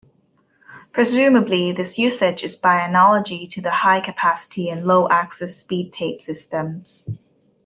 Presumably this usage is by analogy to the high-capacity and low-access speed tape systems.